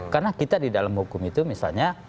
karena kita di dalam hukum itu misalnya